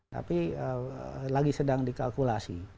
tapi lagi sedang dikalkulasi